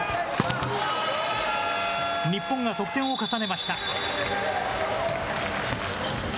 日本が得点を重ねました。